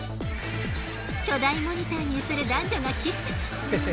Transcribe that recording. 巨大モニターに映る男女がキス。